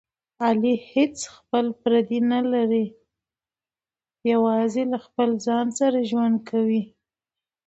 علي هېڅ خپل پردی نه لري، یوازې له خپل ځان سره ژوند کوي.